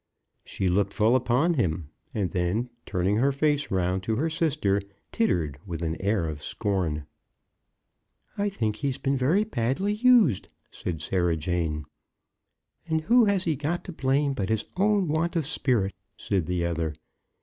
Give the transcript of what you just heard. She looked full upon him: and then, turning her face round to her sister, tittered with an air of scorn. "I think he's been very badly used," said Sarah Jane. "And who has he got to blame but his own want of spirit?" said the other.